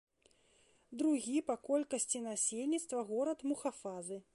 Другі па колькасці насельніцтва горад мухафазы.